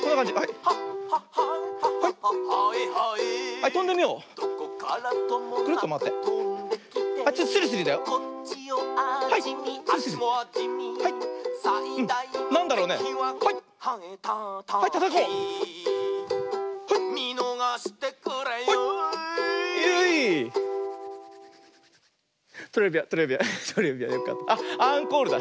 あっアンコールだ。